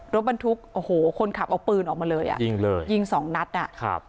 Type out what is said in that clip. รถบรรทุกโอ้โหคนขับเอาปืนออกมาเลยอ่ะยิงเลยยิงสองนัดอ่ะครับ